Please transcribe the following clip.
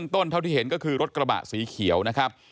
ต้นเท่าที่เห็นก็คือรถกระบะสีเขียวนะครับ